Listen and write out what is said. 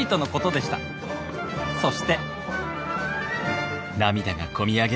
そして」。